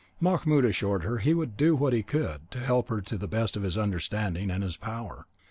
Mahmoud assured her he would do what he could to help her to the best of his understanding and his power.